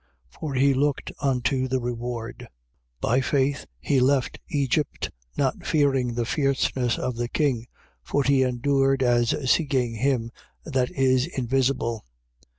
For he looked unto the reward. 11:27. By faith he left Egypt, not fearing the fierceness of the king: for he endured, as seeing him that is invisible.